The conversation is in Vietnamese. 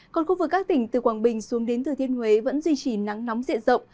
còn khu vực các tỉnh từ quảng bình xuống đến thừa thiên huế vẫn duy trì nắng nóng diện rộng